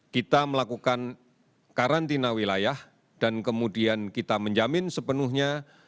kita melakukan karantina wilayah dan kemudian kita menjamin sepenuhnya